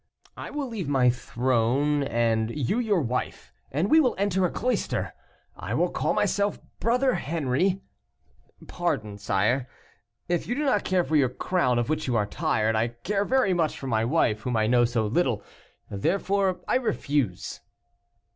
"I will leave my throne, and you your wife, and we will enter a cloister. I will call myself Brother Henri " "Pardon, sire, if you do not care for your crown, of which you are tired, I care very much for my wife, whom I know so little. Therefore I refuse."